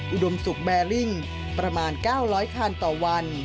อุดมศุกร์แบริ่งประมาณ๙๐๐คันต่อวัน